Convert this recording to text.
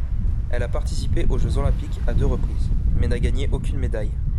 Elle a participé aux Jeux olympiques à deux reprises, mais n'a gagné aucune médaille.